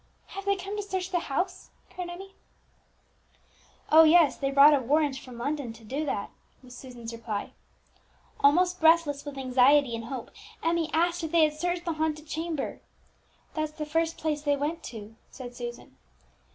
"Have they come to search the house?" cried Emmie. "Oh yes; they brought a warrant from London to do that," was Susan's reply. Almost breathless with anxiety and hope, Emmie asked if they had searched the haunted chamber. "That's the first place they went to," said Susan.